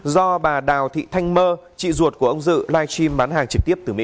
do bà đào thị thanh mơ chị ruột của ông dự live stream bán hàng trực tiếp từ mỹ